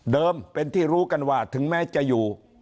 เป็นที่รู้กันว่าถึงแม้จะอยู่